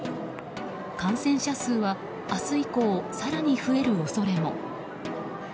感染者数は明日以降更に増える恐れも。